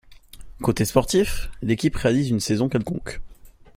Côté sportif, l'équipe réalise une saison quelconque.